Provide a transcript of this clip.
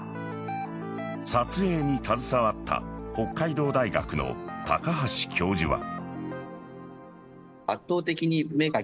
撮影に携わった北海道大学の高橋教授は。